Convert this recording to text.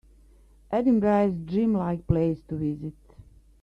Edinburgh is a dream-like place to visit.